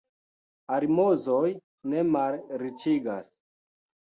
Almozoj ne malriĉigas.